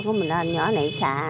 có một anh nhỏ nãy xả